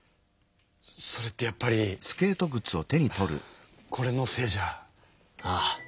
それってやっぱりこれのせいじゃ？ああ。